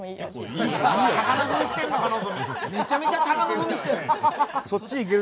めちゃめちゃ高望みしてる。